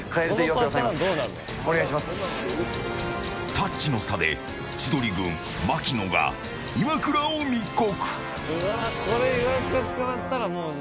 タッチの差で千鳥軍、槙野がイワクラを密告。